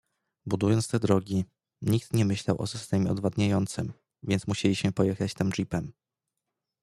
Budując te drogi, nikt nie myślał o systemie odwadniającym, więc musieliśmy pojechać tam jeepem.